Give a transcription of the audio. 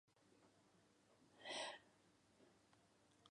Horrelako kasu batek matxinada eragin zuen Afrika probintzian.